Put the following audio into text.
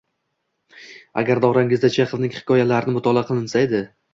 Agarda orangizda Chexovning hikoyalarini mutolaa qilinsa edi.